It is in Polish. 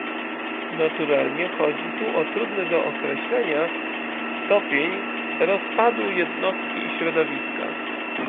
Naturalnie chodzi tu o trudny do określenia stopień roz padu jednostki i środowiska.